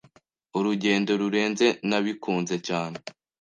'Urugendo Rurenze'Nabikunze cyane